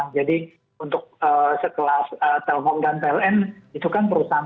jadi untuk sekelas telkom dan pln